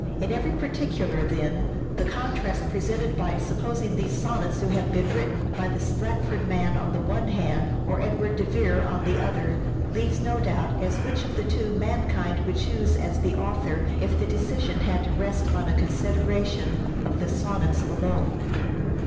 In every particular, then, the contrast presented by supposing those sonnets to have been written by the Stratford man on the one hand or Edward de Vere on the other, leaves no doubt as to which of the two mankind would choose as the author if the decision had to rest on a consideration of the sonnets alone.